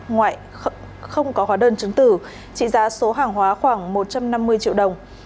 ngoại không có hóa đơn chứng tử trị giá số hàng hóa khoảng một trăm năm mươi triệu đồng